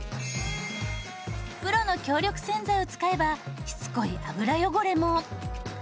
プロの強力洗剤を使えばしつこい油汚れも。